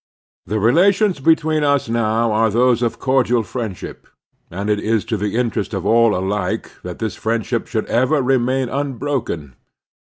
The relations between us now are those of cordial friendship, and it is to the interest of all alike that this friendship should ever remain unbroken.